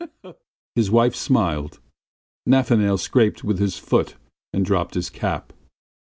His wife smiled. Nafanail scraped with his foot and dropped his cap.